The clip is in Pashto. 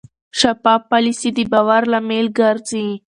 شفاف پالیسي د باور لامل ګرځي.